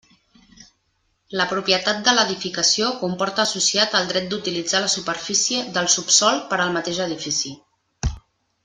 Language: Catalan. La propietat de l'edificació comporta associat el dret d'utilitzar la superfície del subsòl per al mateix edifici.